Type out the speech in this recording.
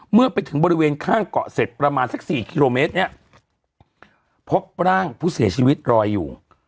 เมื่อไปถึงบริเวณข้างเกาะเสร็จประมาณสัก๔กิโลเมตรเนี่ยพบร่างผู้เสียชีวิตรอยอยู่